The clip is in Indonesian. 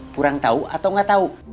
kurang tahu atau nggak tahu